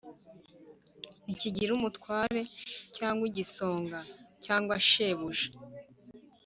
ntikigira umutware cyangwa igisonga cyangwa shebuja,